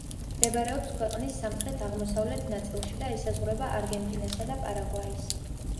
მდებარეობს ქვეყნის სამხრეთ-აღმოსავლეთ ნაწილში და ესაზღვრება არგენტინასა და პარაგვაის.